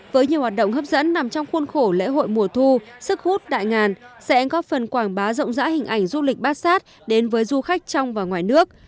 với nhiều hoạt động hấp dẫn nằm trong khuôn khổ lễ hội mùa thu sức hút đại ngàn sẽ góp phần quảng bá rộng rãi hình ảnh du lịch bát sát đến với du khách trong và ngoài nước